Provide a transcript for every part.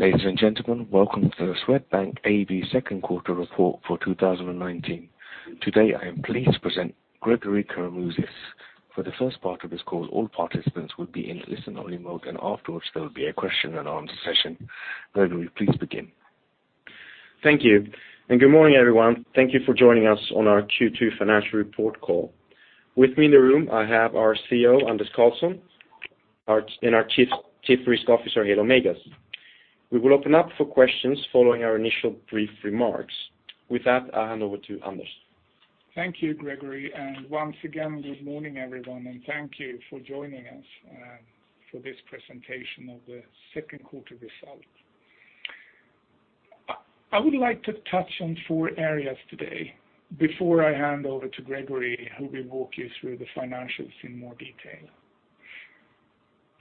Ladies and gentlemen, welcome to the Swedbank AB second quarter report for 2019. Today, I am pleased to present Gregori Karamouzis. For the first part of this call, all participants will be in listen-only mode, afterwards there will be a question-and-answer session. Gregori, please begin. Thank you. Good morning, everyone. Thank you for joining us on our Q2 financial report call. With me in the room, I have our CEO, Anders Karlsson, and our Chief Risk Officer, Helo Meigas. We will open up for questions following our initial brief remarks. With that, I'll hand over to Anders. Thank you, Gregori. Once again, good morning, everyone, thank you for joining us for this presentation of the second quarter results. I would like to touch on four areas today before I hand over to Gregori, who will walk you through the financials in more detail.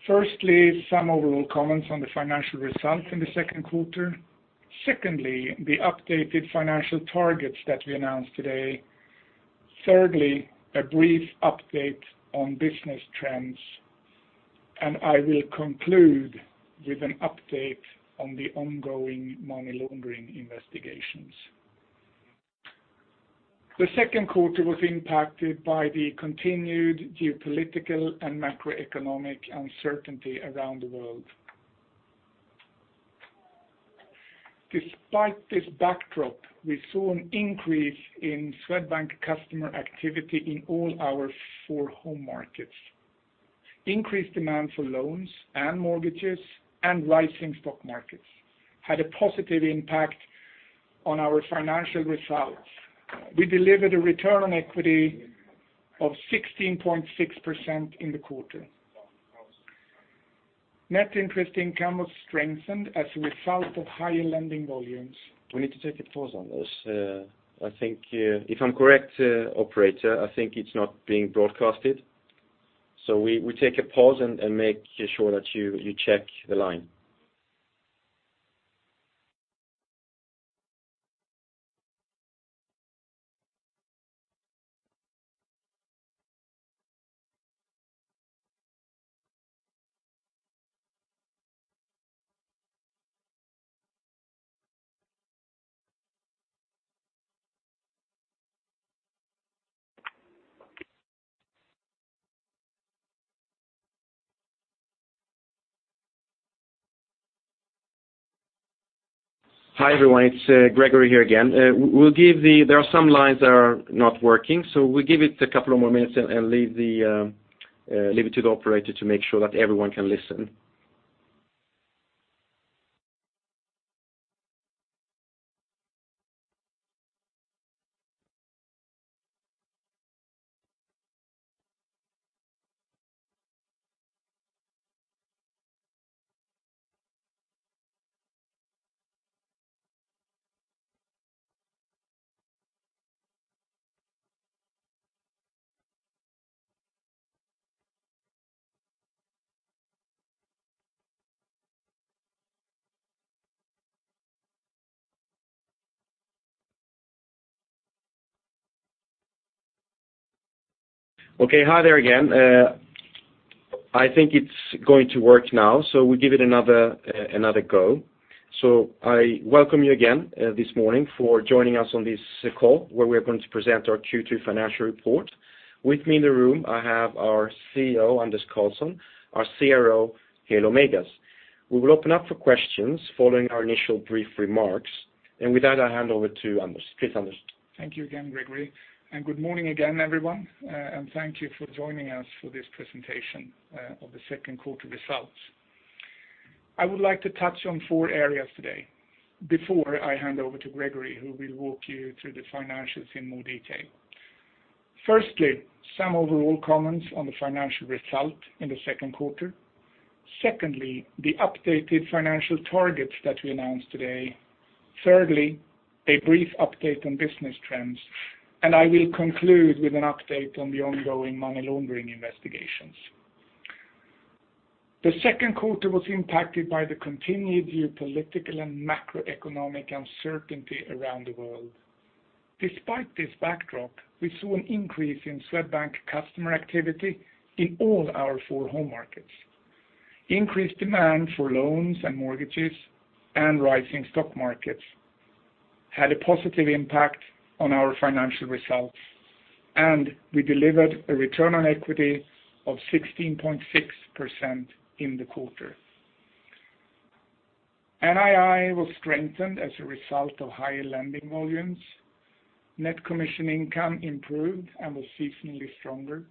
Firstly, some overall comments on the financial results in the second quarter. Secondly, the updated financial targets that we announced today. Thirdly, a brief update on business trends. I will conclude with an update on the ongoing money laundering investigations. The second quarter was impacted by the continued geopolitical and macroeconomic uncertainty around the world. Despite this backdrop, we saw an increase in Swedbank customer activity in all our four home markets. Increased demand for loans and mortgages and rising stock markets had a positive impact on our financial results. We delivered a return on equity of 16.6% in the quarter. Net interest income was strengthened as a result of higher lending volumes. We need to take a pause, Anders. If I'm correct, operator, I think it's not being broadcasted. We take a pause and make sure that you check the line. Hi, everyone. It's Gregori here again. There are some lines that are not working, so we give it a couple more minutes and leave it to the operator to make sure that everyone can listen. Okay, hi there again. I think it's going to work now, so we give it another go. I welcome you again this morning for joining us on this call where we're going to present our Q2 financial report. With me in the room, I have our CEO, Anders Karlsson, our CRO, Helo Meigas. We will open up for questions following our initial brief remarks. With that, I'll hand over to Anders. Please, Anders. Thank you again, Gregori. Good morning again, everyone, and thank you for joining us for this presentation of the second quarter results. I would like to touch on four areas today before I hand over to Gregori, who will walk you through the financials in more detail. Firstly, some overall comments on the financial result in the second quarter. Secondly, the updated financial targets that we announced today. Thirdly, a brief update on business trends. I will conclude with an update on the ongoing money laundering investigations. The second quarter was impacted by the continued geopolitical and macroeconomic uncertainty around the world. Despite this backdrop, we saw an increase in Swedbank customer activity in all our four home markets. Increased demand for loans and mortgages and rising stock markets had a positive impact on our financial results, and we delivered a return on equity of 16.6% in the quarter. NII was strengthened as a result of higher lending volumes. Net commission income improved and was seasonally stronger.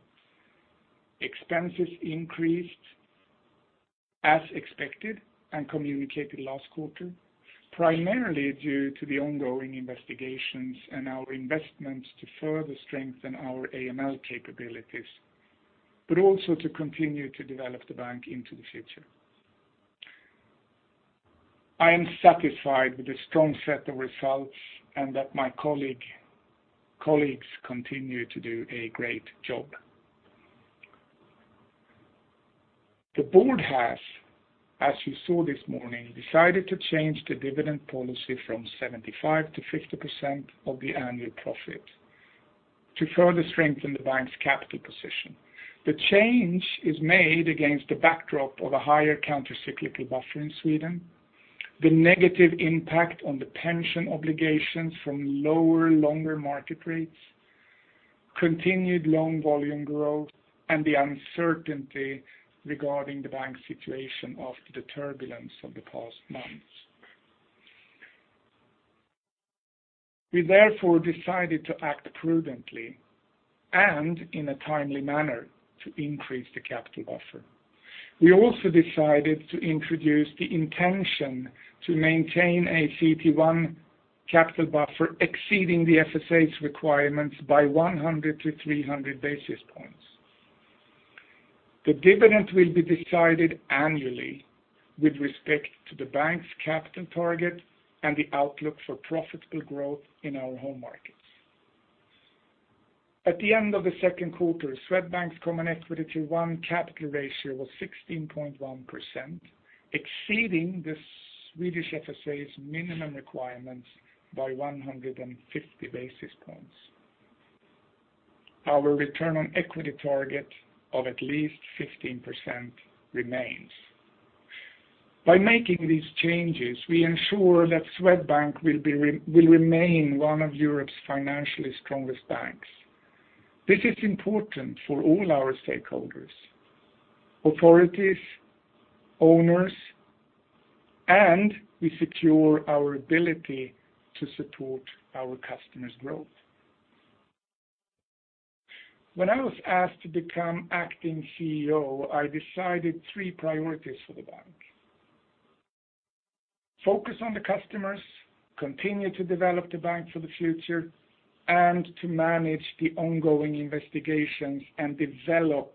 Expenses increased as expected and communicated last quarter, primarily due to the ongoing investigations and our investments to further strengthen our AML capabilities, but also to continue to develop the bank into the future. I am satisfied with the strong set of results and that my colleagues continue to do a great job. The board has, as you saw this morning, decided to change the dividend policy from 75%-50% of the annual profit. To further strengthen the bank's capital position. The change is made against the backdrop of a higher countercyclical buffer in Sweden, the negative impact on the pension obligations from lower, longer market rates, continued loan volume growth, and the uncertainty regarding the bank's situation after the turbulence of the past months. We therefore decided to act prudently and in a timely manner to increase the capital buffer. We also decided to introduce the intention to maintain a CET1 capital buffer exceeding the FSA's requirements by 100-300 basis points. The dividend will be decided annually with respect to the bank's capital target and the outlook for profitable growth in our home markets. At the end of the second quarter, Swedbank's Common Equity Tier 1 capital ratio was 16.1%, exceeding the Swedish FSA's minimum requirements by 150 basis points. Our return on equity target of at least 15% remains. By making these changes, we ensure that Swedbank will remain one of Europe's financially strongest banks. This is important for all our stakeholders, authorities, owners, and we secure our ability to support our customers' growth. When I was asked to become acting CEO, I decided three priorities for the bank. Focus on the customers, continue to develop the bank for the future, and to manage the ongoing investigations and develop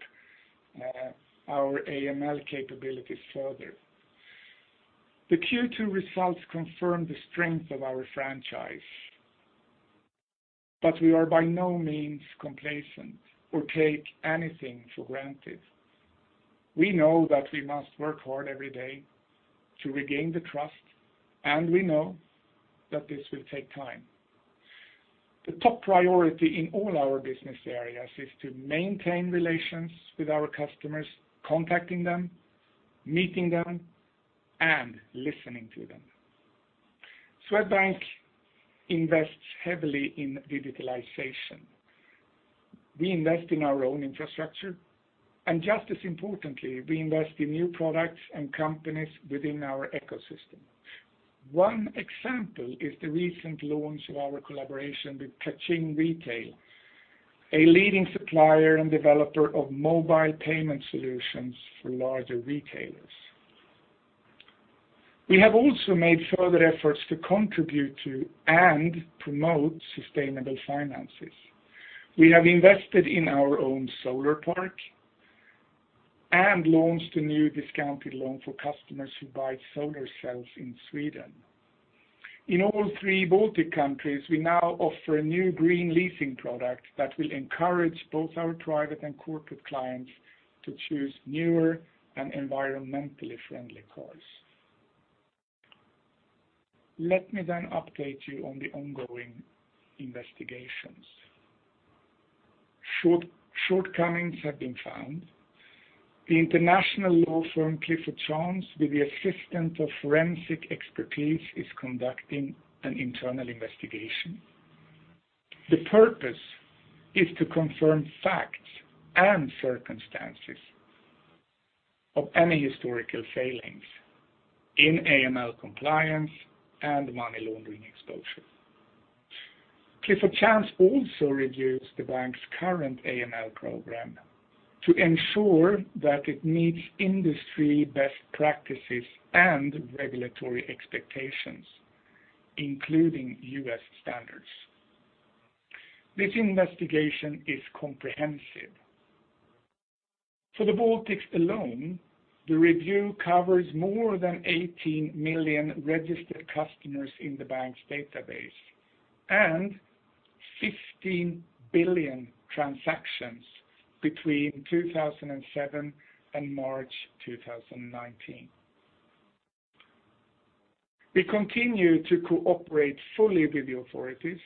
our AML capabilities further. The Q2 results confirm the strength of our franchise. We are by no means complacent or take anything for granted. We know that we must work hard every day to regain the trust, and we know that this will take time. The top priority in all our business areas is to maintain relations with our customers, contacting them, meeting them, and listening to them. Swedbank invests heavily in digitalization. We invest in our own infrastructure, and just as importantly, we invest in new products and companies within our ecosystem. One example is the recent launch of our collaboration with Kaching Retail, a leading supplier and developer of mobile payment solutions for larger retailers. We have also made further efforts to contribute to and promote sustainable finances. We have invested in our own solar park and launched a new discounted loan for customers who buy solar cells in Sweden. In all three Baltic countries, we now offer a new green leasing product that will encourage both our private and corporate clients to choose newer and environmentally friendly cars. Let me update you on the ongoing investigations. Shortcomings have been found. The international law firm Clifford Chance, with the assistance of forensic expertise, is conducting an internal investigation. The purpose is to confirm facts and circumstances of any historical failings in AML compliance and money laundering exposure. Clifford Chance also reviews the bank's current AML program to ensure that it meets industry best practices and regulatory expectations, including U.S. standards. This investigation is comprehensive. For the Baltics alone, the review covers more than 18 million registered customers in the bank's database and 15 billion transactions between 2007 and March 2019. We continue to cooperate fully with the authorities.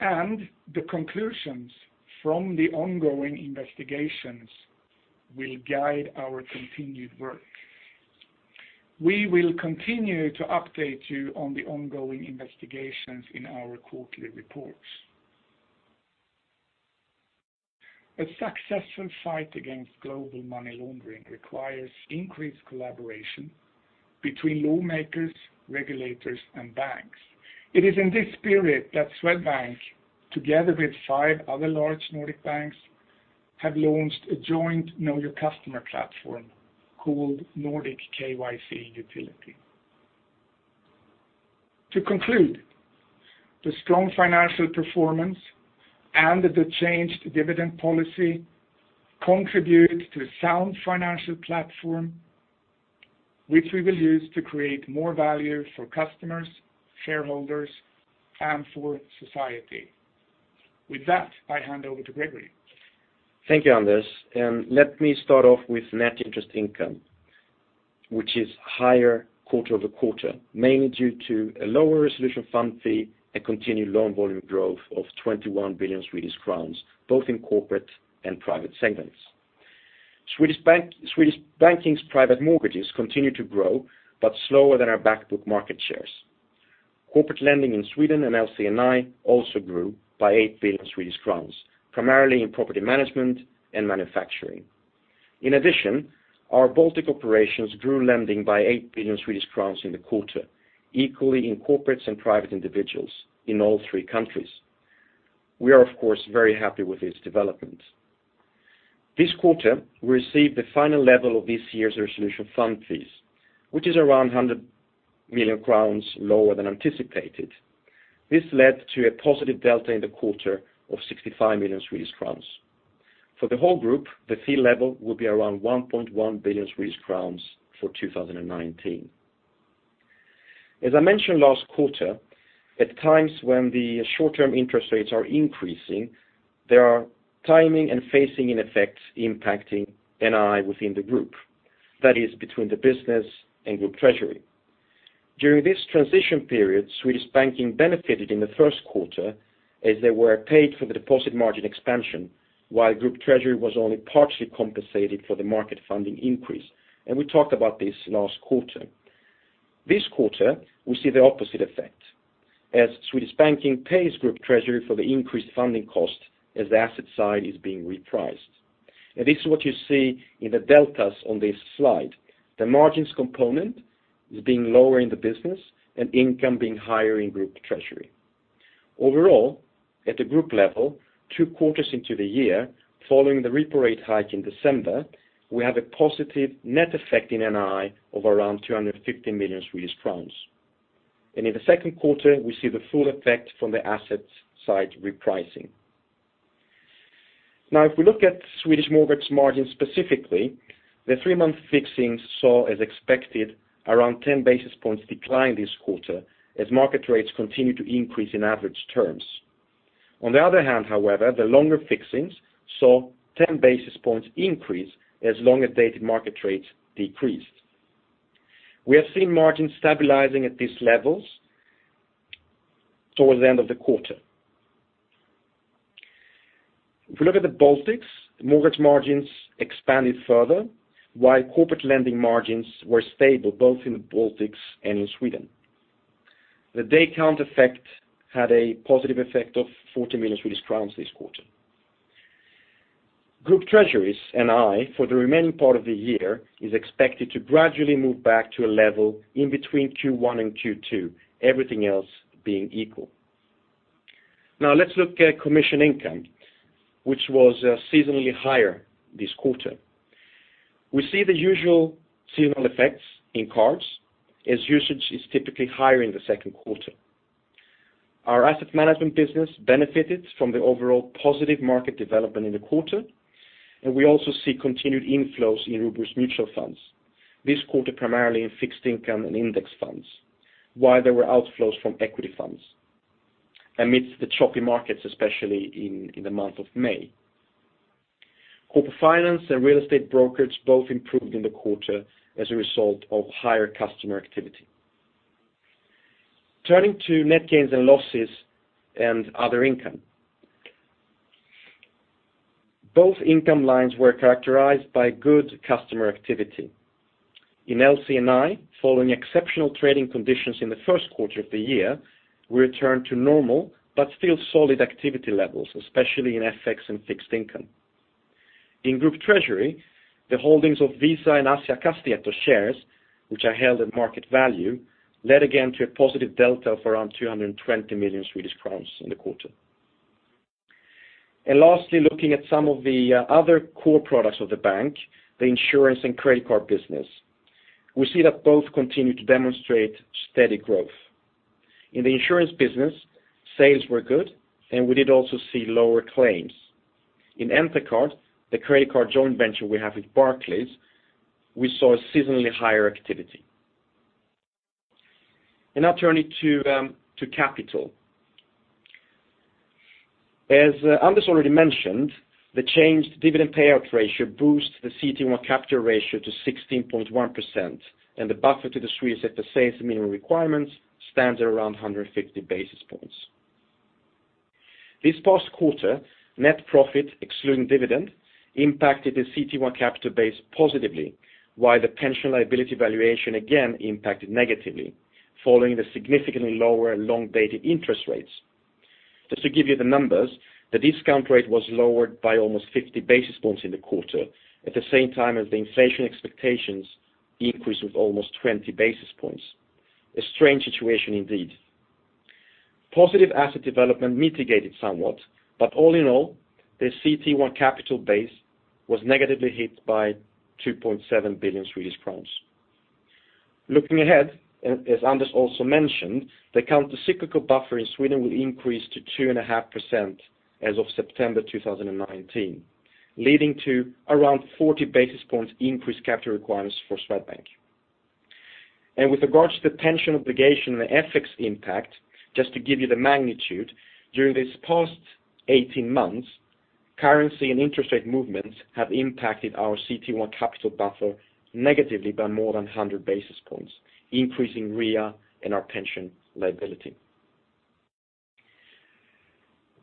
The conclusions from the ongoing investigations will guide our continued work. We will continue to update you on the ongoing investigations in our quarterly reports. A successful fight against global money laundering requires increased collaboration between lawmakers, regulators, and banks. It is in this spirit that Swedbank, together with five other large Nordic banks have launched a joint Know Your Customer platform called Nordic KYC Utility. To conclude, the strong financial performance and the changed dividend policy contribute to a sound financial platform, which we will use to create more value for customers, shareholders, and for society. With that, I hand over to Gregori. Thank you, Anders. Let me start off with net interest income, which is higher quarter-over-quarter, mainly due to a lower resolution fund fee and continued loan volume growth of 21 billion Swedish crowns, both in corporate and private segments. Swedish banking's private mortgages continue to grow, but slower than our back book market shares. Corporate lending in Sweden and LC&I also grew by 8 billion Swedish crowns, primarily in property management and manufacturing. In addition, our Baltic operations grew lending by 8 billion Swedish crowns in the quarter, equally in corporates and private individuals in all three countries. We are, of course, very happy with this development. This quarter, we received the final level of this year's resolution fund fees, which is around 100 million crowns lower than anticipated. This led to a positive delta in the quarter of 65 million Swedish crowns. For the whole group, the fee level will be around 1.1 billion Swedish crowns for 2019. As I mentioned last quarter, at times when the short-term interest rates are increasing, there are timing and phasing effects impacting NII within the group. That is between the business and group treasury. During this transition period, Swedish banking benefited in the first quarter as they were paid for the deposit margin expansion while group treasury was only partially compensated for the market funding increase. We talked about this last quarter. This quarter, we see the opposite effect, as Swedish banking pays group treasury for the increased funding cost as the asset side is being repriced. This is what you see in the deltas on this slide. The margins component is being lower in the business and income being higher in group treasury. Overall, at the group level, two quarters into the year following the repo rate hike in December, we have a positive net effect in NII of around 250 million Swedish crowns. In the second quarter, we see the full effect from the asset side repricing. If we look at Swedish mortgage margins specifically, the three-month fixings saw, as expected, around 10 basis points decline this quarter as market rates continue to increase in average terms. On the other hand, however, the longer fixings saw 10 basis points increase as longer-dated market rates decreased. We have seen margins stabilizing at these levels towards the end of the quarter. If we look at the Baltics, mortgage margins expanded further while corporate lending margins were stable both in the Baltics and in Sweden. The day count effect had a positive effect of 40 million Swedish crowns this quarter. Group treasury's NII for the remaining part of the year is expected to gradually move back to a level in between Q1 and Q2, everything else being equal. Let's look at commission income, which was seasonally higher this quarter. We see the usual seasonal effects in cards as usage is typically higher in the second quarter. Our asset management business benefited from the overall positive market development in the quarter. We also see continued inflows in Robur mutual funds. This quarter, primarily in fixed income and index funds, while there were outflows from equity funds amidst the choppy markets, especially in the month of May. Corporate finance and real estate brokerage both improved in the quarter as a result of higher customer activity. Turning to net gains and losses and other income. Both income lines were characterized by good customer activity. In LC&I, following exceptional trading conditions in the first quarter of the year, we returned to normal but still solid activity levels, especially in FX and fixed income. In group treasury, the holdings of Visa and Asiakastieto shares, which are held at market value, led again to a positive delta of around 220 million Swedish crowns in the quarter. Lastly, looking at some of the other core products of the bank, the insurance and credit card business. We see that both continue to demonstrate steady growth. In the insurance business, sales were good, and we did also see lower claims. In Entercard, the credit card joint venture we have with Barclays, we saw a seasonally higher activity. Now turning to capital. As Anders already mentioned, the changed dividend payout ratio boosts the CET1 capital ratio to 16.1%, and the buffer to the Swedish FSA's minimum requirements stands at around 150 basis points. This past quarter, net profit excluding dividend impacted the CET1 capital base positively, while the pension liability valuation again impacted negatively following the significantly lower long-dated interest rates. Just to give you the numbers, the discount rate was lowered by almost 50 basis points in the quarter at the same time as the inflation expectations increased with almost 20 basis points. A strange situation indeed. Positive asset development mitigated somewhat, all in all, the CET1 capital base was negatively hit by 2.7 billion Swedish crowns. Looking ahead, as Anders also mentioned, the countercyclical buffer in Sweden will increase to 2.5% as of September 2019, leading to around 40 basis points increase capital requirements for Swedbank. With regards to the pension obligation and the FX impact, just to give you the magnitude, during this past 18 months, currency and interest rate movements have impacted our CET1 capital buffer negatively by more than 100 basis points, increasing REA and our pension liability.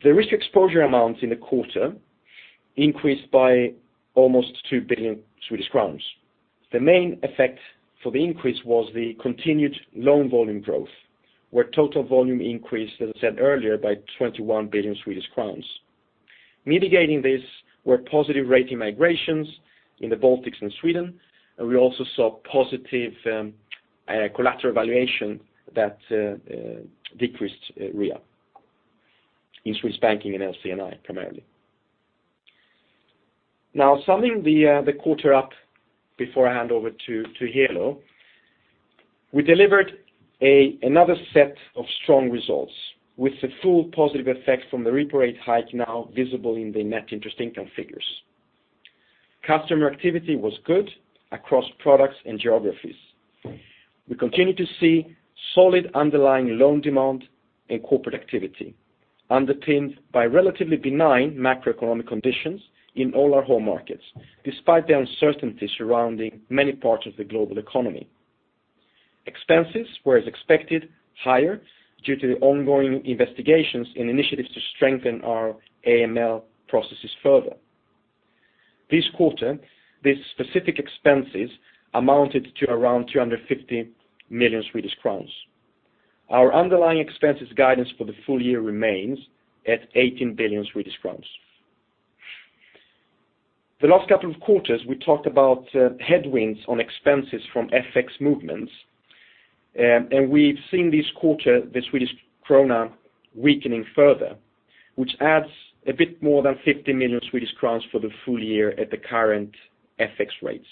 The risk exposure amounts in the quarter increased by almost 2 billion Swedish crowns. The main effect for the increase was the continued loan volume growth, where total volume increased, as I said earlier, by 21 billion Swedish crowns. Mitigating this were positive rating migrations in the Baltics and Sweden, and we also saw positive collateral valuation that decreased REA in Swedish banking and LC&I, primarily. Summing the quarter up before I hand over to Helo. We delivered another set of strong results, with the full positive effect from the repo rate hike now visible in the net interest income figures. Customer activity was good across products and geographies. We continue to see solid underlying loan demand and corporate activity underpinned by relatively benign macroeconomic conditions in all our home markets, despite the uncertainty surrounding many parts of the global economy. Expenses were, as expected, higher due to the ongoing investigations and initiatives to strengthen our AML processes further. This quarter, these specific expenses amounted to around 250 million Swedish crowns. Our underlying expenses guidance for the full year remains at 18 billion Swedish crowns. The last couple of quarters, we talked about headwinds on expenses from FX movements. We have seen this quarter the Swedish krona weakening further, which adds a bit more than 50 million Swedish crowns for the full year at the current FX rates.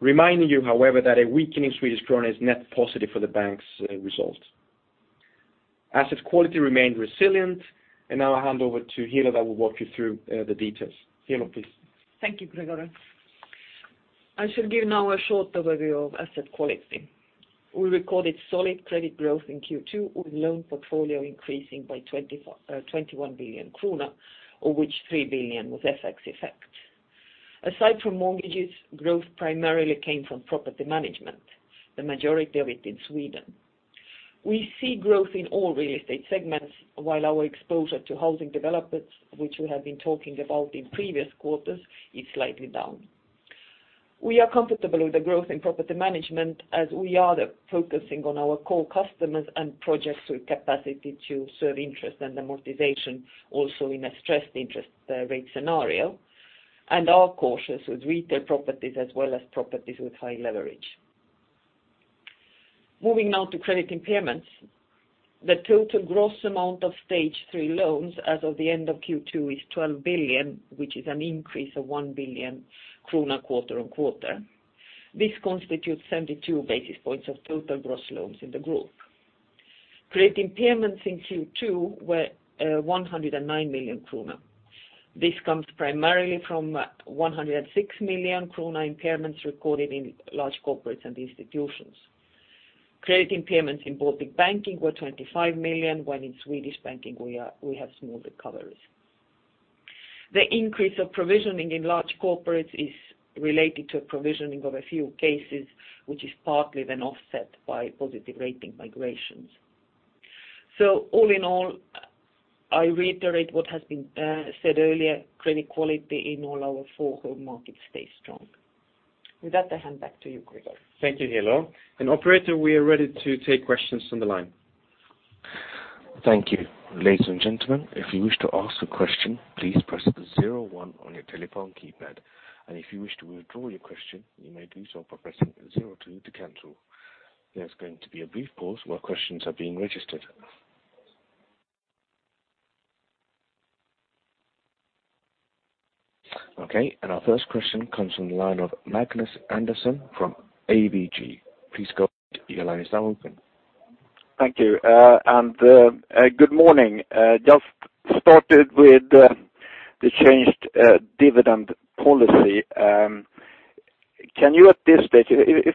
Reminding you, however, that a weakening Swedish krona is net positive for the bank's results. Asset quality remained resilient. Now I will hand over to Helo, who will walk you through the details. Helo, please. Thank you, Gregori. I shall give now a short overview of asset quality. We recorded solid credit growth in Q2, with loan portfolio increasing by 21 billion kronor, of which 3 billion was FX effect. Aside from mortgages, growth primarily came from property management, the majority of it in Sweden. We see growth in all real estate segments, while our exposure to housing developments, which we have been talking about in previous quarters, is slightly down. We are comfortable with the growth in property management as we are focusing on our core customers and projects with capacity to serve interest and amortization also in a stressed interest rate scenario. We are cautious with retail properties as well as properties with high leverage. Moving now to credit impairments. The total gross amount of Stage 3 loans as of the end of Q2 is 12 billion, which is an increase of 1 billion kronor quarter-on-quarter. This constitutes 72 basis points of total gross loans in the group. Credit impairments in Q2 were 109 million krona. This comes primarily from 106 million krona impairments recorded in Large Corporates & Institutions. Credit impairments in Baltic banking were 25 million, while in Swedish banking we have small recoveries. The increase of provisioning in Large Corporates is related to a provisioning of a few cases, which is partly offset by positive rating migrations. All in all, I reiterate what has been said earlier, credit quality in all our four home markets stays strong. With that, I hand back to you, Gregori. Thank you, Helo. Operator, we are ready to take questions on the line. Thank you. Ladies and gentlemen, if you wish to ask a question, please press zero one on your telephone keypad. If you wish to withdraw your question, you may do so by pressing zero two to cancel. There's going to be a brief pause while questions are being registered. Okay. Our first question comes from the line of Magnus Andersson from ABG. Please go ahead, your line is now open. Thank you. Good morning. Just started with the changed dividend policy. If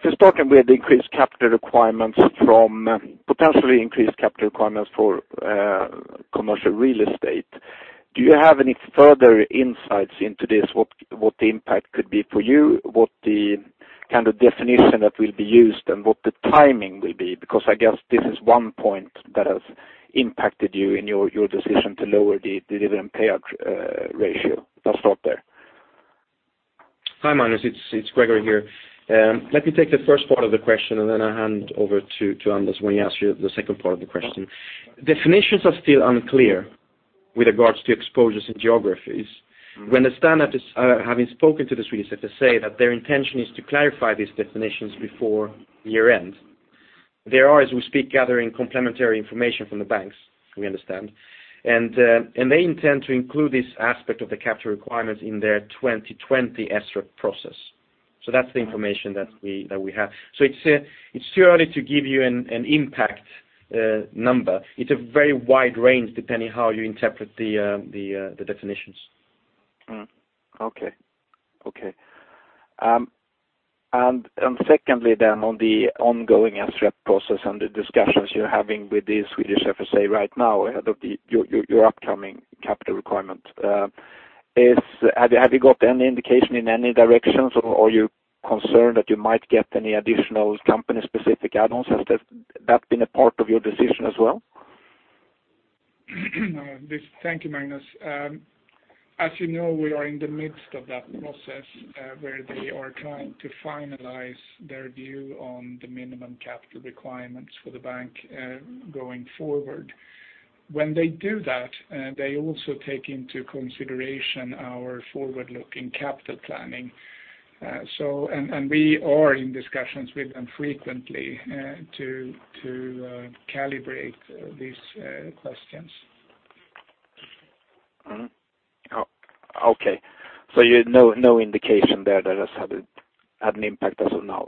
you're starting with increased capital requirements from potentially increased capital requirements for commercial real estate, do you have any further insights into this? What the impact could be for you, what the definition that will be used, and what the timing will be? I guess this is one point that has impacted you in your decision to lower the dividend payout ratio. I'll stop there. Hi, Magnus. It's Gregori here. Let me take the first part of the question, and then I'll hand over to Anders when he asks you the second part of the question. Definitions are still unclear with regards to exposures in geographies. When the standard is having spoken to the Swedish, they say that their intention is to clarify these definitions before year-end. They are, as we speak, gathering complementary information from the banks, we understand. They intend to include this aspect of the capital requirements in their 2020 SREP process. That's the information that we have. It's too early to give you an impact number. It's a very wide range depending how you interpret the definitions. Okay. Secondly then on the ongoing SREP process and the discussions you're having with the Swedish FSA right now ahead of your upcoming capital requirement. Have you got any indication in any directions, or are you concerned that you might get any additional company-specific add-ons? Has that been a part of your decision as well? Thank you, Magnus. As you know, we are in the midst of that process, where they are trying to finalize their view on the minimum capital requirements for the bank going forward. When they do that, they also take into consideration our forward-looking capital planning. We are in discussions with them frequently to calibrate these questions. Okay. No indication there that has had an impact as of now?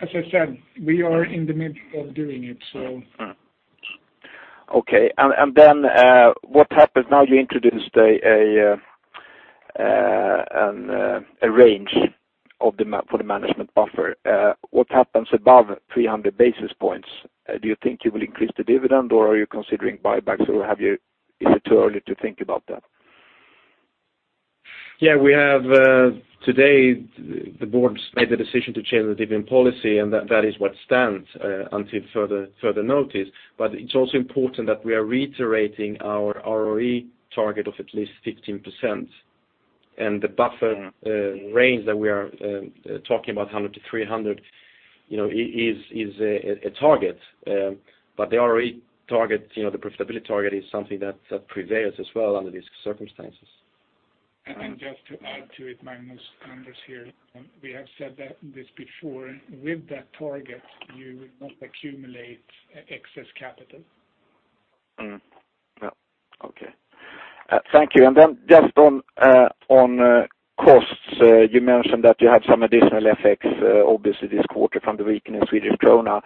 As I said, we are in the midst of doing it. Okay. What happens now you introduced a range for the management buffer. What happens above 300 basis points? Do you think you will increase the dividend or are you considering buybacks, or is it too early to think about that? Today the board made the decision to change the dividend policy. That is what stands until further notice. It's also important that we are reiterating our ROE target of at least 15%. The buffer range that we are talking about, 100-300 basis points, is a target. The profitability target is something that prevails as well under these circumstances. Just to add to it, Magnus, Anders here. We have said this before. With that target, you would not accumulate excess capital. Okay. Thank you. Then just on costs, you mentioned that you had some additional effects, obviously this quarter from the weakening Swedish krona.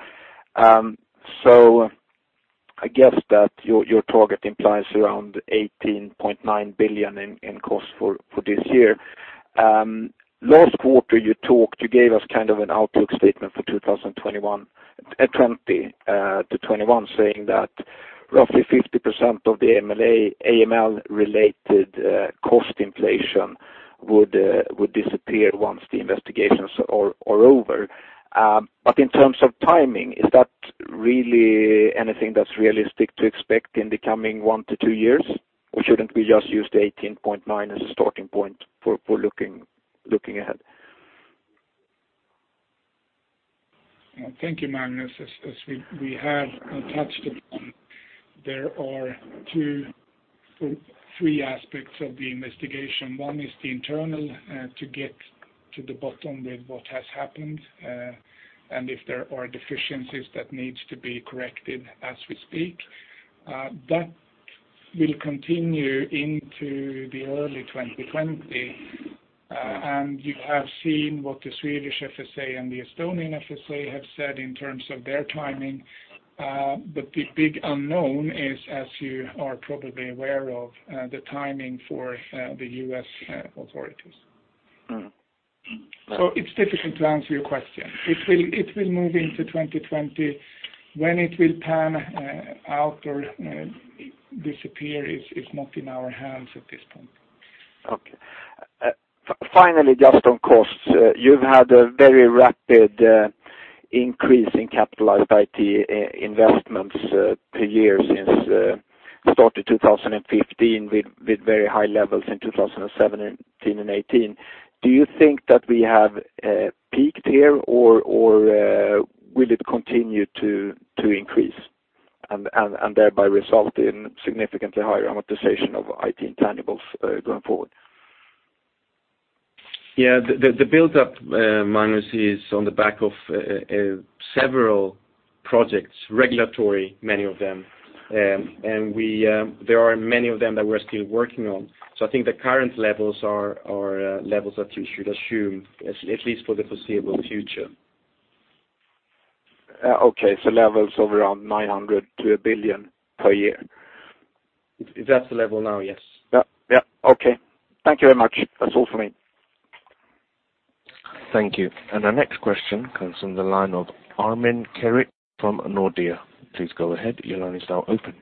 I guess that your target implies around 18.9 billion in costs for this year. Last quarter, you gave us an outlook statement for 2020-2021 saying that roughly 50% of the AML-related cost inflation would disappear once the investigations are over. In terms of timing, is that really anything that's realistic to expect in the coming one to two years? Shouldn't we just use the 18.9 as a starting point for looking ahead? Thank you, Magnus. As we have touched upon, there are three aspects of the investigation. One is the internal, to get to the bottom with what has happened, and if there are deficiencies that needs to be corrected as we speak. That will continue into the early 2020. You have seen what the Swedish FSA and the Estonian FSA have said in terms of their timing. The big unknown is, as you are probably aware of, the timing for the U.S. authorities. It's difficult to answer your question. It will move into 2020. When it will pan out or disappear is not in our hands at this point. Okay. Finally, just on costs, you've had a very rapid increase in capitalized IT investments per year since the start of 2015, with very high levels in 2017 and 2018. Do you think that we have peaked here or will it continue to increase and thereby result in significantly higher amortization of IT intangibles going forward? The buildup, Magnus, is on the back of several projects, regulatory many of them. There are many of them that we're still working on. I think the current levels are levels that you should assume, at least for the foreseeable future. Okay. Levels of around 900 million-1 billion per year. If that's the level now, yes. Yep. Okay. Thank you very much. That's all from me. Thank you. Our next question comes from the line of Ermin Keric from Nordea. Please go ahead. Your line is now open.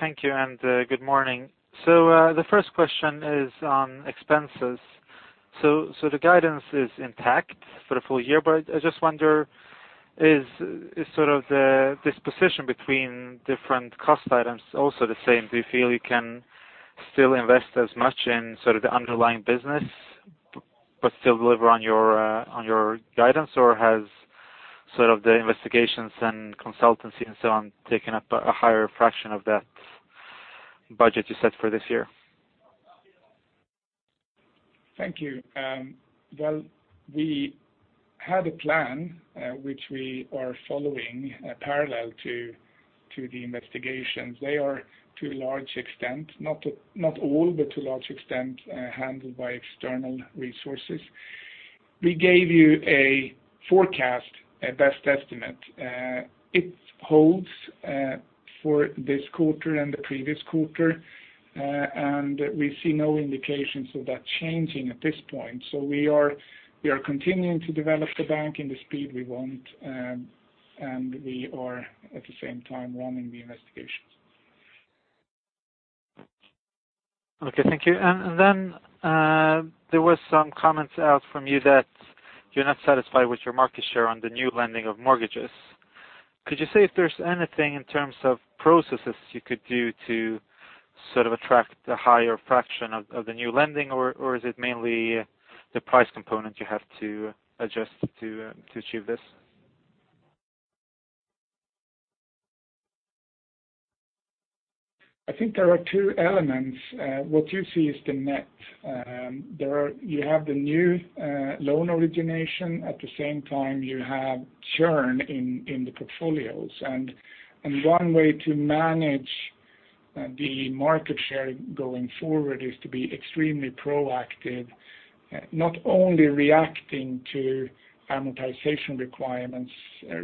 Thank you, and good morning. The first question is on expenses. The guidance is intact for the full year, but I just wonder, is this position between different cost items also the same? Do you feel you can still invest as much in the underlying business but still deliver on your guidance, or has the investigations and consultancy and so on taken up a higher fraction of that budget you set for this year? Thank you. Well, we had a plan which we are following parallel to the investigations. They are to a large extent, not all, but to a large extent handled by external resources. We gave you a forecast, a best estimate. It holds for this quarter and the previous quarter, and we see no indications of that changing at this point. We are continuing to develop the bank in the speed we want, and we are at the same time running the investigations. Okay, thank you. Then there were some comments out from you that you're not satisfied with your market share on the new lending of mortgages. Could you say if there's anything in terms of processes you could do to attract a higher fraction of the new lending, or is it mainly the price component you have to adjust to achieve this? I think there are two elements. What you see is the net. You have the new loan origination. At the same time, you have churn in the portfolios. One way to manage the market share going forward is to be extremely proactive, not only reacting to amortization requirements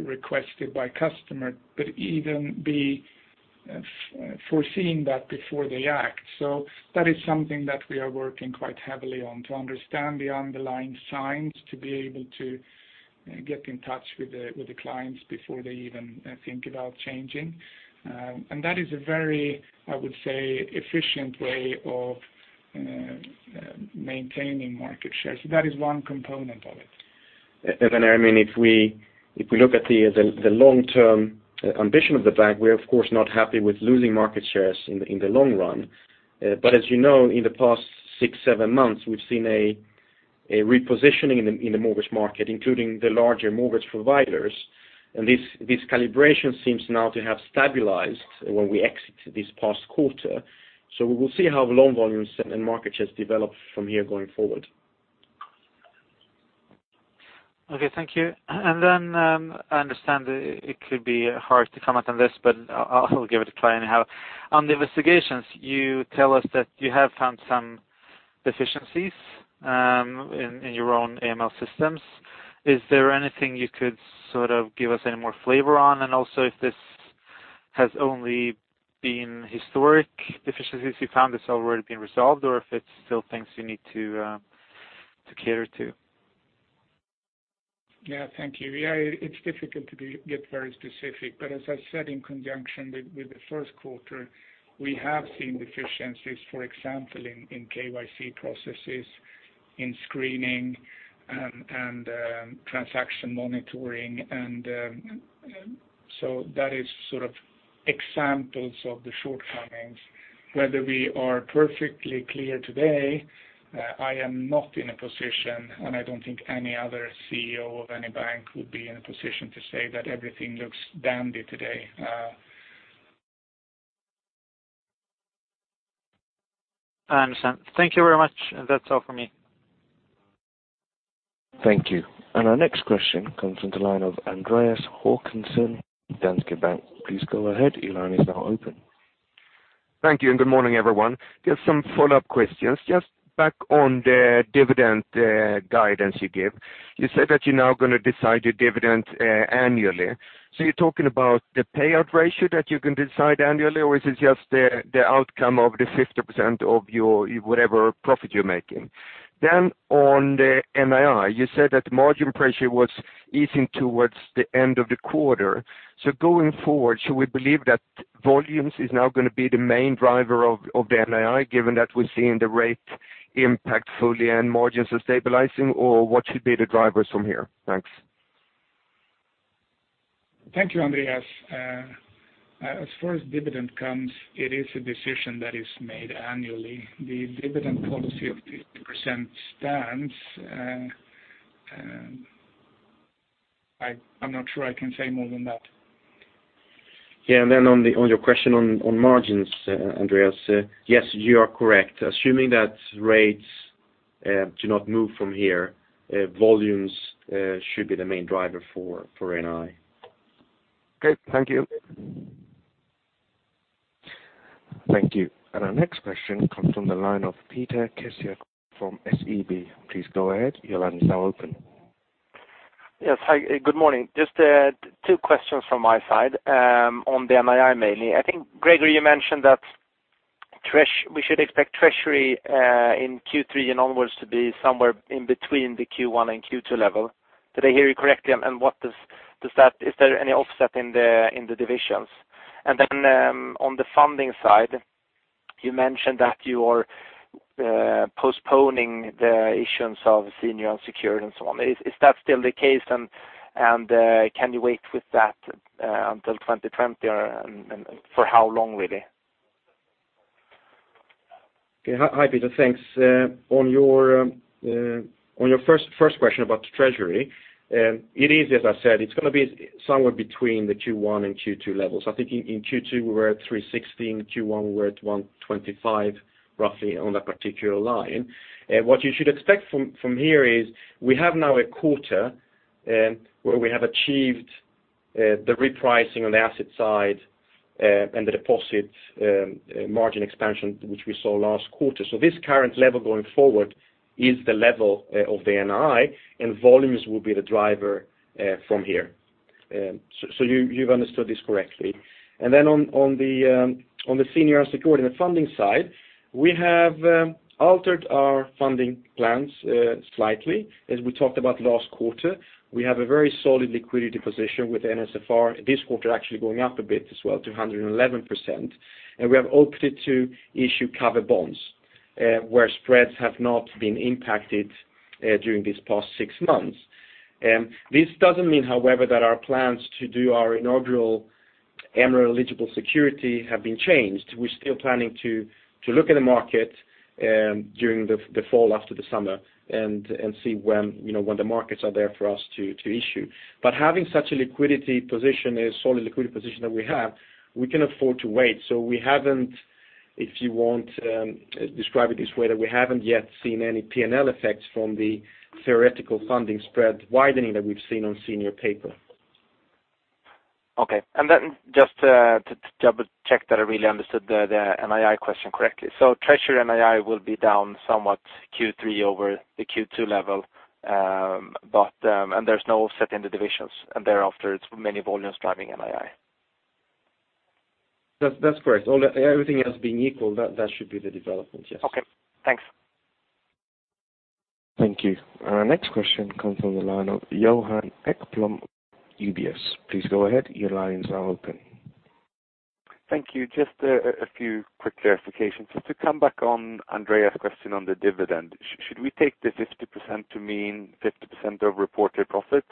requested by customer, but even be foreseeing that before they act. That is something that we are working quite heavily on to understand the underlying signs, to be able to get in touch with the clients before they even think about changing. That is a very, I would say, efficient way of maintaining market share. That is one component of it. Then, I mean, if we look at the long-term ambition of the bank, we're of course not happy with losing market shares in the long run. As you know, in the past six, seven months, we've seen a repositioning in the mortgage market, including the larger mortgage providers. This calibration seems now to have stabilized when we exit this past quarter. We will see how loan volumes and market shares develop from here going forward. Okay, thank you. I understand it could be hard to comment on this, but I'll give it a try anyhow. On the investigations, you tell us that you have found some deficiencies in your own AML systems. Is there anything you could give us any more flavor on? Also if this has only been historic deficiencies you found that's already been resolved, or if it's still things you need to cater to. Yeah, thank you. It's difficult to get very specific, but as I said in conjunction with the first quarter, we have seen deficiencies, for example, in KYC processes, in screening and transaction monitoring. That is sort of examples of the shortcomings. Whether we are perfectly clear today, I am not in a position, and I don't think any other CEO of any bank would be in a position to say that everything looks dandy today. I understand. Thank you very much. That's all for me. Thank you. Our next question comes from the line of Andreas Håkansson, Danske Bank. Please go ahead. Your line is now open. Thank you, and good morning, everyone. Just some follow-up questions. Just back on the dividend guidance you give. You said that you're now going to decide your dividend annually. You're talking about the payout ratio that you're going to decide annually, or is it just the outcome of the 50% of your whatever profit you're making? On the NII, you said that margin pressure was easing towards the end of the quarter. Going forward, should we believe that volumes is now going to be the main driver of the NII, given that we're seeing the rate impact fully and margins are stabilizing, or what should be the drivers from here? Thanks. Thank you, Andreas. As far as dividend comes, it is a decision that is made annually. The dividend policy of 50% stands. I'm not sure I can say more than that. On your question on margins, Andreas, yes, you are correct. Assuming that rates do not move from here, volumes should be the main driver for NII. Okay. Thank you. Thank you. Our next question comes from the line of Peter Kessiakoff from SEB. Please go ahead. Your line is now open. Yes. Hi, good morning. Just two questions from my side on the NII mainly. I think, Gregori, you mentioned that we should expect treasury in Q3 and onwards to be somewhere in between the Q1 and Q2 level. Did I hear you correctly? Is there any offset in the divisions? On the funding side, you mentioned that you are postponing the issuance of senior unsecured and so on. Is that still the case and can you wait with that until 2020 or for how long, really? Hi, Peter. Thanks. On your first question about treasury it is as I said, it's going to be somewhere between the Q1 and Q2 levels. I think in Q2 we were at 316 million, Q1 we were at 125 million, roughly on that particular line. What you should expect from here is we have now a quarter where we have achieved the repricing on the asset side and the deposit margin expansion, which we saw last quarter. This current level going forward is the level of the NII, and volumes will be the driver from here. You've understood this correctly. On the senior unsecured and the funding side, we have altered our funding plans slightly. As we talked about last quarter, we have a very solid liquidity position with NSFR this quarter actually going up a bit as well to 111%, we have opted to issue covered bonds, where spreads have not been impacted during these past six months. This doesn't mean, however, that our plans to do our inaugural MREL-eligible security have been changed. We're still planning to look at the market during the fall after the summer and see when the markets are there for us to issue. Having such a solid liquidity position that we have, we can afford to wait. We haven't, if you want describe it this way, that we haven't yet seen any P&L effects from the theoretical funding spread widening that we've seen on senior paper. Okay. Just to double check that I really understood the NII question correctly. Treasury NII will be down somewhat Q3 over the Q2 level, there's no offset in the divisions, thereafter it's many volumes driving NII. That's correct. Everything else being equal, that should be the development, yes. Okay. Thanks. Thank you. Our next question comes from the line of Johan Ekblom, UBS. Please go ahead. Your lines are open. Thank you. A few quick clarifications. To come back on Andreas' question on the dividend. Should we take the 50% to mean 50% of reported profits,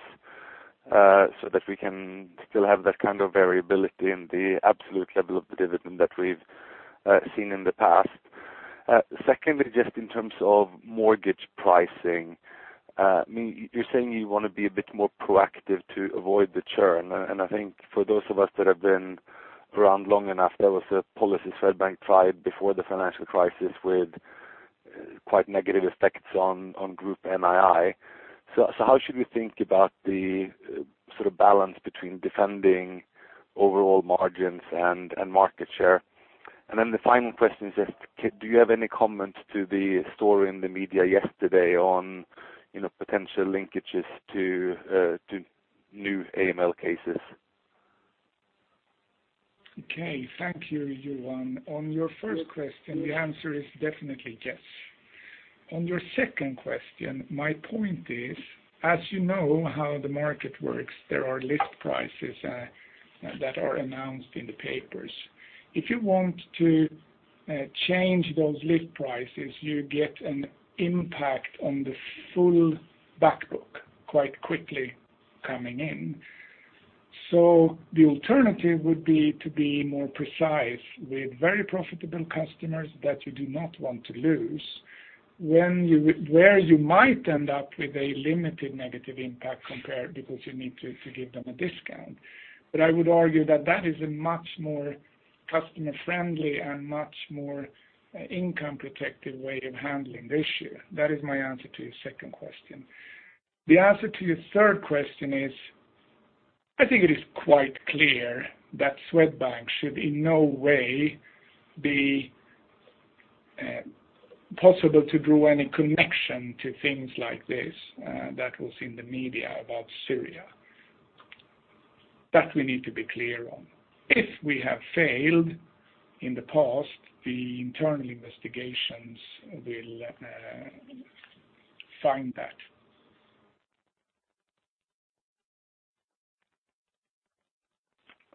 so that we can still have that kind of variability in the absolute level of the dividend that we've seen in the past? Secondly, just in terms of mortgage pricing, you're saying you want to be a bit more proactive to avoid the churn, and I think for those of us that have been around long enough, that was a policy Swedbank tried before the financial crisis with quite negative effects on group NII. How should we think about the sort of balance between defending overall margins and market share? The final question is just, do you have any comments to the story in the media yesterday on potential linkages to new AML cases? Okay. Thank you, Johan. On your first question, the answer is definitely yes. On your second question, my point is, as you know how the market works, there are list prices that are announced in the papers. If you want to change those list prices, you get an impact on the full back book quite quickly coming in. The alternative would be to be more precise with very profitable customers that you do not want to lose, where you might end up with a limited negative impact compared, because you need to give them a discount. I would argue that that is a much more customer-friendly and much more income-protective way of handling the issue. That is my answer to your second question. The answer to your third question is, I think it is quite clear that Swedbank should in no way be possible to draw any connection to things like this that was in the media about Syria. That we need to be clear on. If we have failed in the past, the internal investigations will find that.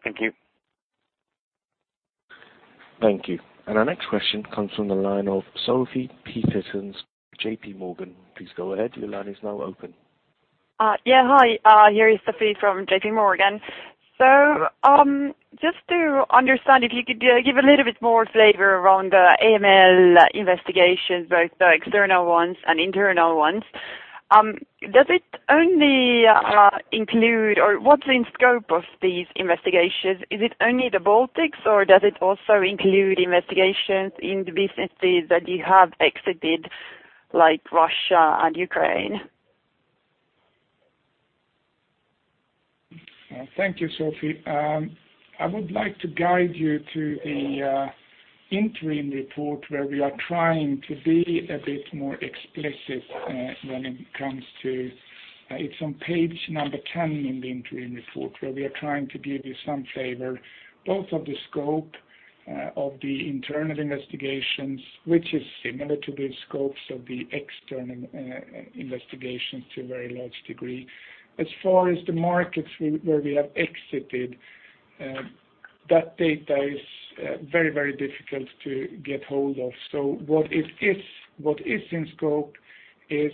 Thank you. Thank you. Our next question comes from the line of Sofie Peterzens, JPMorgan. Please go ahead. Your line is now open. Hi, here is Sofie from JPMorgan. Just to understand, if you could give a little bit more flavor around the AML investigations, both the external ones and internal ones. Does it only include or what's in scope of these investigations? Is it only the Baltics, or does it also include investigations in the businesses that you have exited, like Russia and Ukraine? Thank you, Sofie. I would like to guide you to the interim report where we are trying to be a bit more explicit. It's on page number 10 in the interim report, where we are trying to give you some flavor, both of the scope of the internal investigations, which is similar to the scopes of the external investigations to a very large degree. As far as the markets where we have exited, that data is very difficult to get hold of. What is in scope is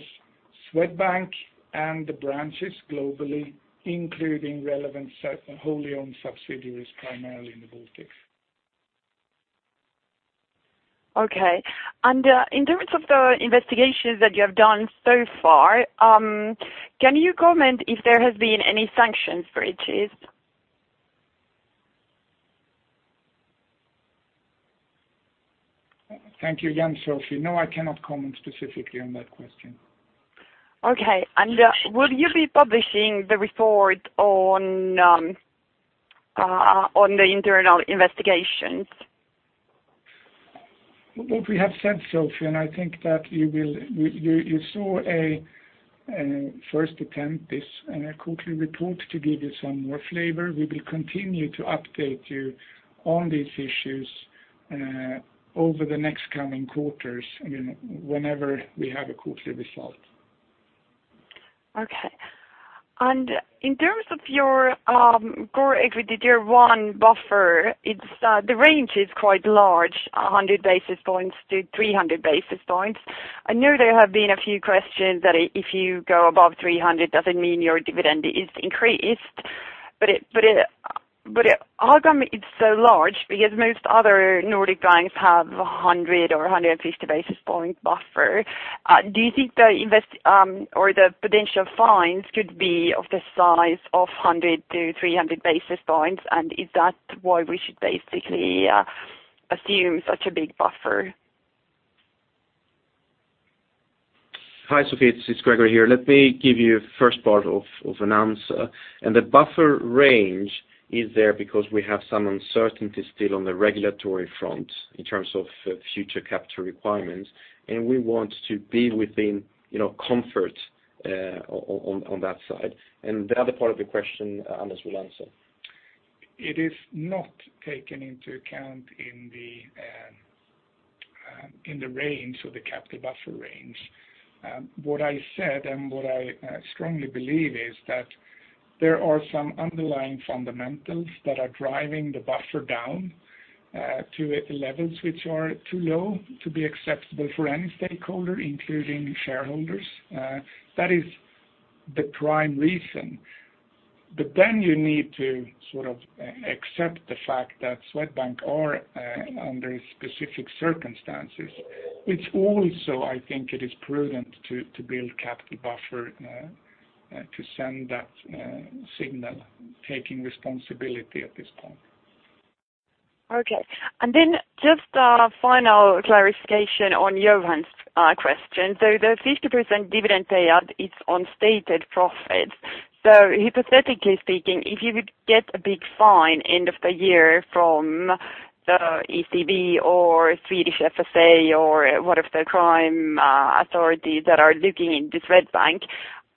Swedbank and the branches globally, including relevant wholly owned subsidiaries, primarily in the Baltics. Okay. In terms of the investigations that you have done so far, can you comment if there has been any sanctions for it? Thank you. Yeah. Sofie. No, I cannot comment specifically on that question. Okay. Will you be publishing the report on the internal investigations? What we have said, Sofie, and I think that you saw a first attempt, this quarterly report to give you some more flavor. We will continue to update you on these issues over the next coming quarters, whenever we have a quarterly result. Okay. In terms of your core equity, Tier 1 buffer, the range is quite large, 100-300 basis points. I know there have been a few questions that if you go above 300, does it mean your dividend is increased? How come it's so large because most other Nordic banks have 100 basis points or 150 basis point buffer. Do you think the potential fines could be of the size of 100-300 basis points, is that why we should basically assume such a big buffer? Hi, Sofie, this is Gregori here. Let me give you first part of an answer. The buffer range is there because we have some uncertainty still on the regulatory front in terms of future capital requirements, and we want to be within comfort on that side. The other part of the question, Anders will answer. It is not taken into account in the range of the capital buffer range. What I said, and what I strongly believe is that there are some underlying fundamentals that are driving the buffer down to levels which are too low to be acceptable for any stakeholder, including shareholders. That is the prime reason. You need to sort of accept the fact that Swedbank are under specific circumstances. I think it is prudent to build capital buffer to send that signal, taking responsibility at this point. Okay. Just a final clarification on Johan's question. The 50% dividend payout is on stated profits. Hypothetically speaking, if you would get a big fine end of the year from the ECB or Swedish FSA or one of the crime authorities that are looking into Swedbank,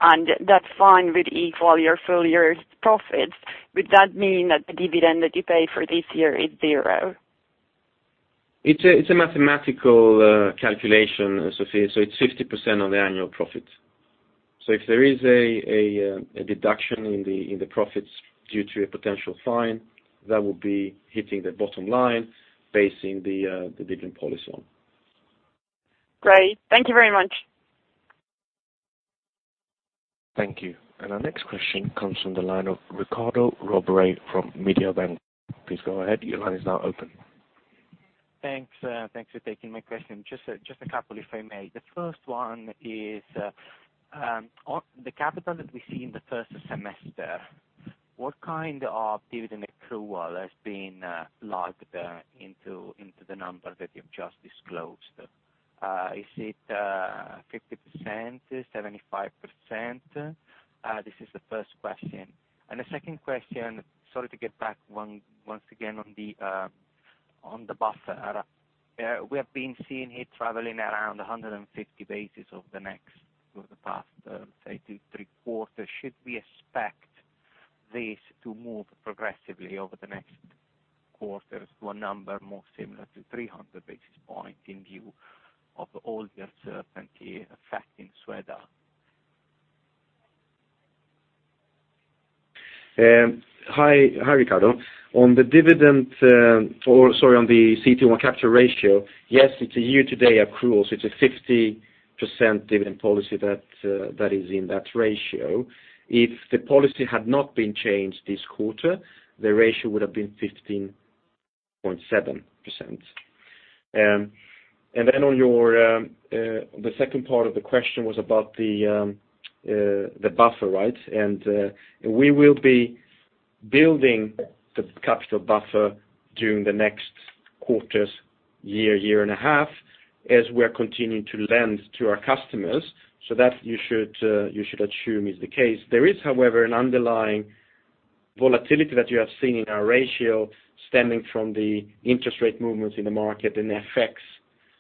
and that fine would equal your full year's profits. Would that mean that the dividend that you pay for this year is zero? It's a mathematical calculation, Sofie. It's 50% of the annual profit. If there is a deduction in the profits due to a potential fine, that will be hitting the bottom line, basing the dividend policy on. Great. Thank you very much. Thank you. Our next question comes from the line of Riccardo Rovere from Mediobanca. Please go ahead. Your line is now open. Thanks. Thanks for taking my question. Just a couple, if I may. The first one is, the capital that we see in the first semester, what kind of dividend accrual has been logged into the number that you've just disclosed? Is it 50%? 75%? This is the first question. The second question, sorry to get back once again on the buffer. We have been seeing it traveling around 150 basis point of the next, over the past, say, two, three quarters. Should we expect this to move progressively over the next quarters to a number more similar to 300 basis point in view of all the uncertainty affecting Swedbank? Hi, Riccardo. On the dividend, or sorry on the CET1 capital ratio, yes, it's a year-to-date accrual, so it's a 50% dividend policy that is in that ratio. If the policy had not been changed this quarter, the ratio would have been 15.7%. The second part of the question was about the buffer, right? We will be building the capital buffer during the next quarters, year and a half, as we're continuing to lend to our customers. That you should assume is the case. There is, however, an underlying volatility that you have seen in our ratio stemming from the interest rate movements in the market and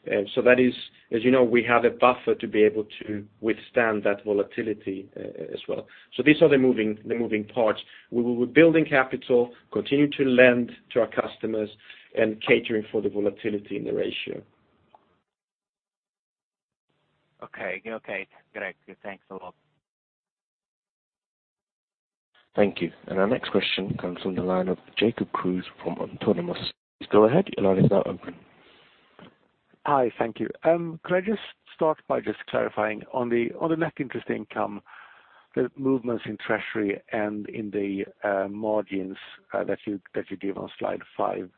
FX. That is, as you know, we have a buffer to be able to withstand that volatility as well. These are the moving parts. We will be building capital, continue to lend to our customers, and catering for the volatility in the ratio. Okay. Great. Thanks a lot. Thank you. Our next question comes from the line of Jacob Kruse from Autonomous. Please go ahead. Your line is now open. Hi. Thank you. Could I just start by just clarifying on the net interest income, the movements in treasury, and in the margins that you give on slide five.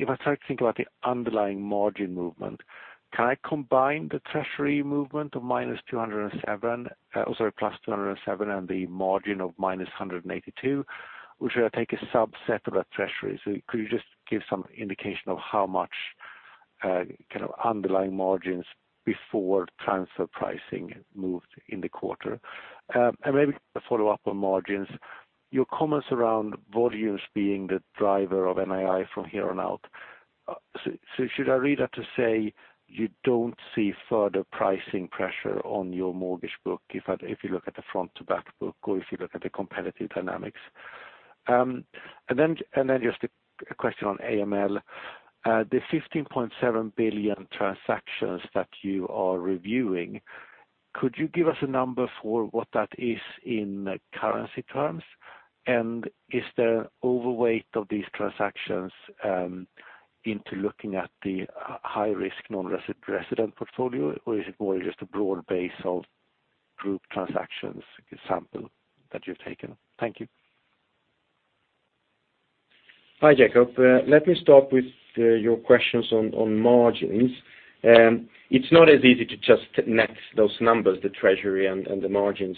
If I start to think about the underlying margin movement. Can I combine the treasury movement of +207 million and the margin of -182 million? Should I take a subset of that treasury? Could you just give some indication of how much underlying margins before transfer pricing moved in the quarter? Maybe a follow-up on margins. Your comments around volumes being the driver of NII from here on out. Should I read that to say you don't see further pricing pressure on your mortgage book if you look at the front to back book or if you look at the competitive dynamics? Then just a question on AML. The 15.7 billion transactions that you are reviewing, could you give us a number for what that is in currency terms? Is there an overweight of these transactions into looking at the high-risk non-resident portfolio, or is it more just a broad base of group transactions sample that you've taken? Thank you. Hi, Jacob. Let me start with your questions on margins. It's not as easy to just net those numbers, the treasury and the margins.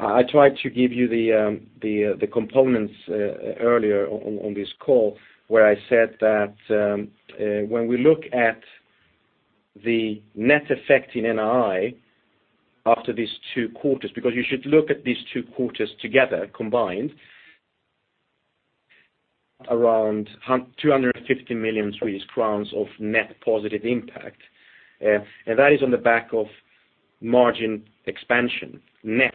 I tried to give you the components earlier on this call where I said that when we look at the net effect in NII after these two quarters, because you should look at these two quarters together combined, around 250 million Swedish crowns of net positive impact. That is on the back of margin expansion, net,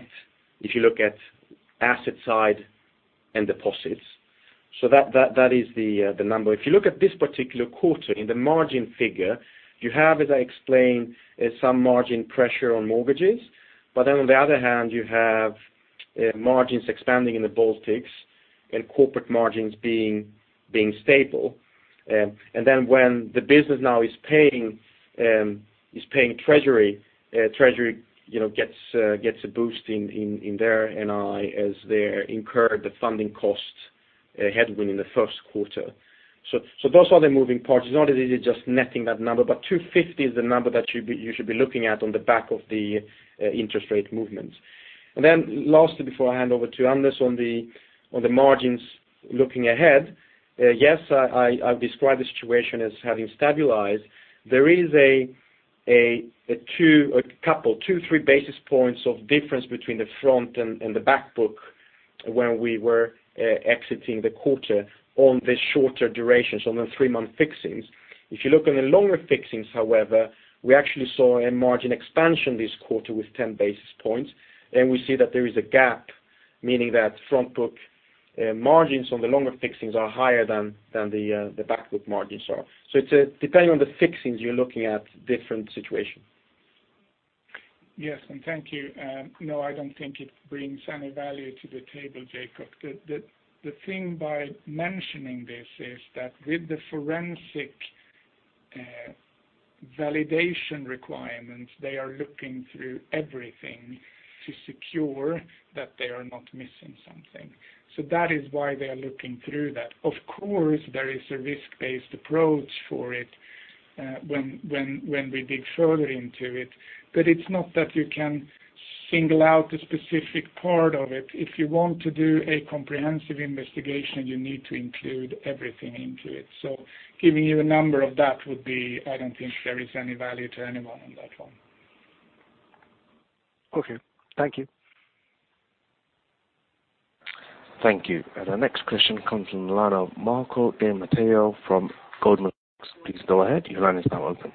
if you look at asset side and deposits. That is the number. If you look at this particular quarter in the margin figure, you have, as I explained, some margin pressure on mortgages. On the other hand, you have margins expanding in the Baltics and corporate margins being stable. When the business now is paying treasury gets a boost in their NII as they incur the funding cost headwind in the first quarter. Those are the moving parts. It's not as easy just netting that number, but 250 is the number that you should be looking at on the back of the interest rate movement. Lastly, before I hand over to Anders on the margins looking ahead, yes, I've described the situation as having stabilized. There is a couple, two, three basis points of difference between the front and the back book when we were exiting the quarter on the shorter durations, on the three-month fixings. If you look on the longer fixings, however, we actually saw a margin expansion this quarter with 10 basis points. We see that there is a gap, meaning that front book margins on the longer fixings are higher than the back book margins are. It's depending on the fixings you're looking at, different situation. Yes, thank you. No, I don't think it brings any value to the table, Jacob. The thing by mentioning this is that with the forensic validation requirements, they are looking through everything to secure that they are not missing something. That is why they are looking through that. Of course, there is a risk-based approach for it when we dig further into it. It's not that you can single out a specific part of it. If you want to do a comprehensive investigation, you need to include everything into it. Giving you a number of that would be, I don't think there is any value to anyone on that one. Okay. Thank you. Thank you. Our next question comes from the line of Marco Di Matteo from Goldman Sachs. Please go ahead. Your line is now open.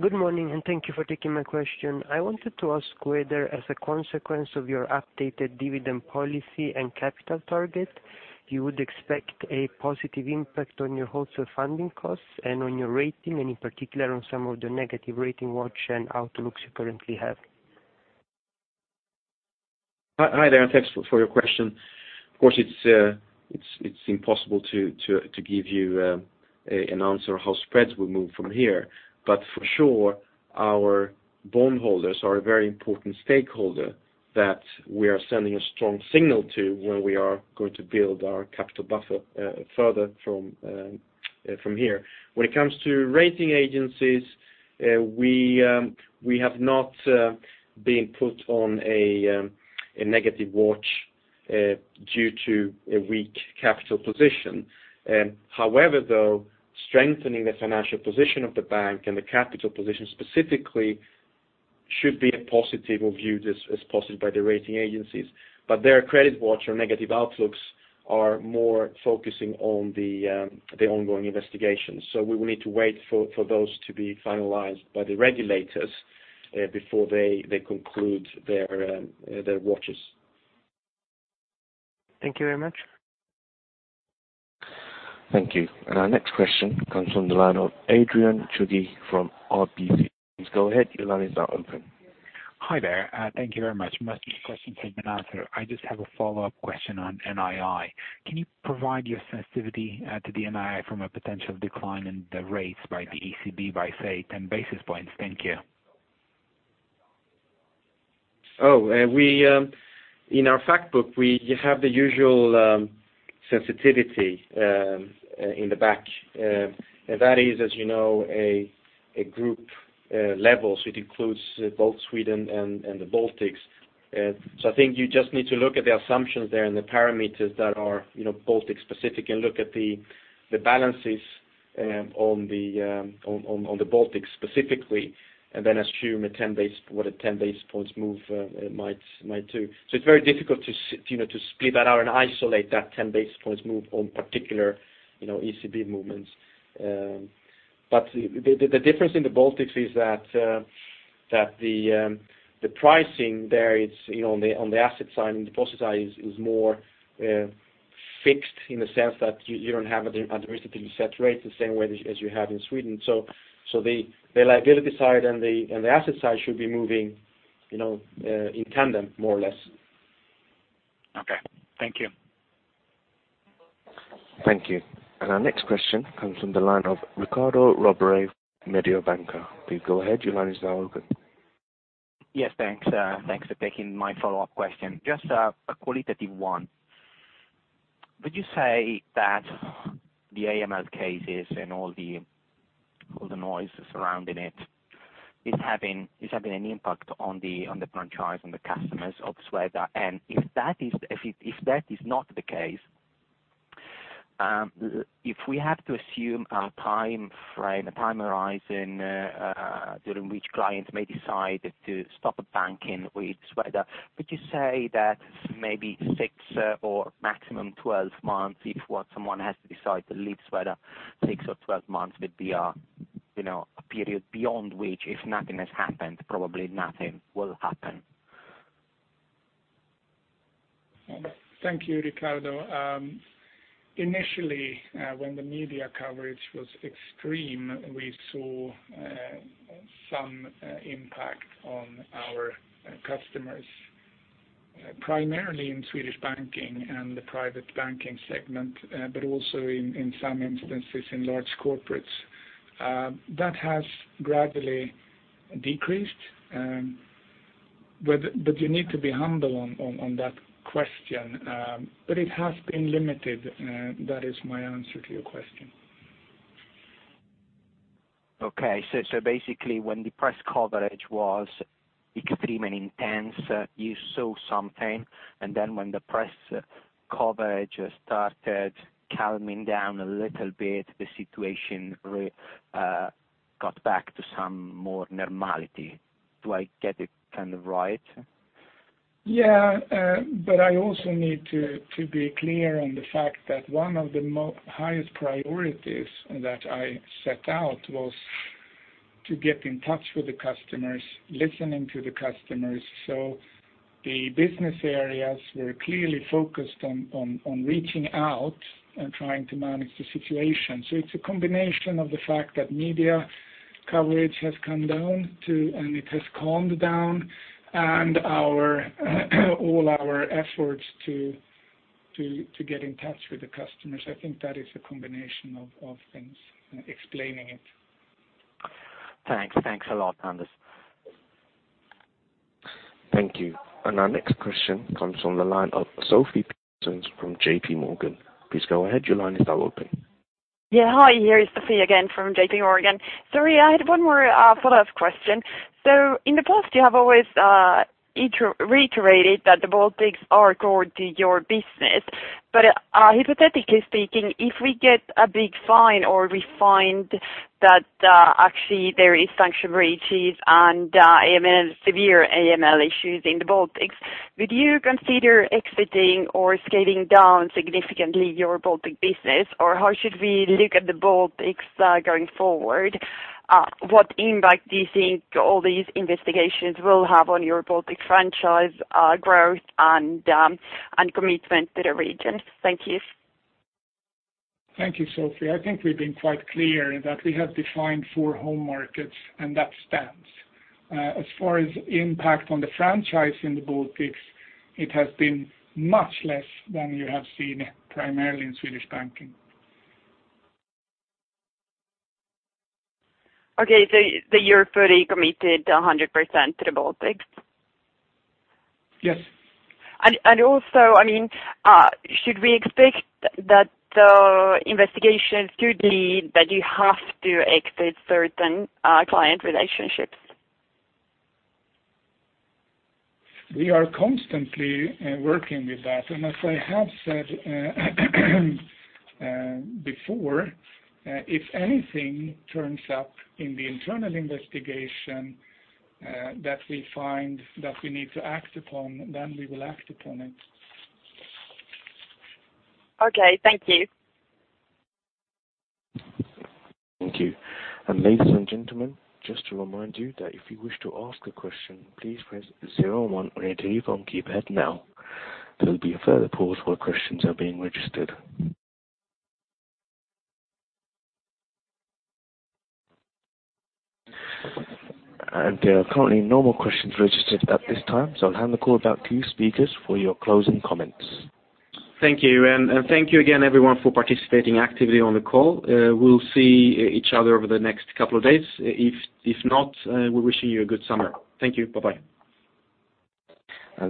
Good morning, thank you for taking my question. I wanted to ask whether, as a consequence of your updated dividend policy and capital target, you would expect a positive impact on your wholesale funding costs and on your rating, and in particular on some of the negative rating watch and outlooks you currently have. Hi there, thanks for your question. Of course, it's impossible to give you an answer how spreads will move from here. For sure, our bondholders are a very important stakeholder that we are sending a strong signal to when we are going to build our capital buffer further from here. When it comes to rating agencies, we have not been put on a negative watch due to a weak capital position. Though, strengthening the financial position of the bank and the capital position specifically should be a positive or viewed as positive by the rating agencies. Their credit watch or negative outlooks are more focusing on the ongoing investigation. We will need to wait for those to be finalized by the regulators before they conclude their watches. Thank you very much. Thank you. Our next question comes from the line of Adrian Cighi from RBC. Please go ahead. Your line is now open. Hi there. Thank you very much. Most of the questions have been answered. I just have a follow-up question on NII. Can you provide your sensitivity to the NII from a potential decline in the rates by the ECB by, say, 10 basis points? Thank you. In our fact book, we have the usual sensitivity in the back. That is, as you know, a group level, so it includes both Sweden and the Baltics. I think you just need to look at the assumptions there and the parameters that are Baltic specific and look at the balances on the Baltics specifically, and then assume what a 10 basis points move might do. It's very difficult to split that out and isolate that 10 basis points move on particular ECB movements. The difference in the Baltics is that the pricing there on the asset side and deposit side is more fixed in the sense that you don't have adversity to set rates the same way as you have in Sweden. The liability side and the asset side should be moving in tandem, more or less. Thank you. Thank you. Our next question comes from the line of Riccardo Rovere, Mediobanca. Please go ahead. Your line is now open. Yes, thanks. Thanks for taking my follow-up question. Just a qualitative one. Would you say that the AML cases and all the noise surrounding it is having an impact on the franchise, on the customers of Swedbank? If that is not the case, if we have to assume a time frame, a time horizon, during which clients may decide to stop banking with Swedbank, would you say that maybe six or maximum 12 months, if what someone has to decide to leave Swedbank, six or 12 months would be a period beyond which if nothing has happened, probably nothing will happen? Thank you, Riccardo. Initially, when the media coverage was extreme, we saw some impact on our customers, primarily in Swedish banking and the private banking segment, also in some instances in large corporates. That has gradually decreased. You need to be humble on that question, it has been limited. That is my answer to your question. Okay. Basically when the press coverage was extremely intense, you saw something, and then when the press coverage started calming down a little bit, the situation got back to some more normality. Do I get it right? Yeah. I also need to be clear on the fact that one of the highest priorities that I set out was to get in touch with the customers, listening to the customers. The business areas were clearly focused on reaching out and trying to manage the situation. It's a combination of the fact that media coverage has come down, and it has calmed down, and all our efforts to get in touch with the customers. I think that is a combination of things explaining it. Thanks. Thanks a lot, Anders. Thank you. Our next question comes from the line of Sofie Peterzens from JPMorgan. Please go ahead. Your line is now open. Yeah. Hi, here is Sofie again from JPMorgan. Sorry, I had one more follow-up question. In the past, you have always reiterated that the Baltics are core to your business. Hypothetically speaking, if we get a big fine or we find that actually there is sanction breaches and severe AML issues in the Baltics, would you consider exiting or scaling down significantly your Baltic business, or how should we look at the Baltics going forward? What impact do you think all these investigations will have on your Baltic franchise growth and commitment to the region? Thank you. Thank you, Sofie. I think we've been quite clear that we have defined four home markets, that stands. As far as impact on the franchise in the Baltics, it has been much less than you have seen primarily in Swedish banking. Okay, you're fully committed 100% to the Baltics? Yes. Also, should we expect that the investigation could lead that you have to exit certain client relationships? We are constantly working with that. As I have said before, if anything turns up in the internal investigation that we find that we need to act upon, then we will act upon it. Okay. Thank you. Thank you. Ladies and gentlemen, just to remind you that if you wish to ask a question, please press zero one on your telephone keypad now. There will be a further pause while questions are being registered. There are currently no more questions registered at this time, so I will hand the call back to you speakers for your closing comments. Thank you. Thank you again, everyone, for participating actively on the call. We'll see each other over the next couple of days. If not, we're wishing you a good summer. Thank you. Bye-bye.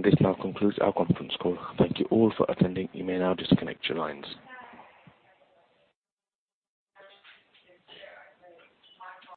This now concludes our conference call. Thank you all for attending. You may now disconnect your lines.